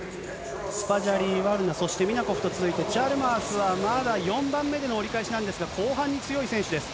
スパジャリ、そしてミナコフと続いて、チャルマースはまだ４番目での折り返しなんですが、後半に強い選手です。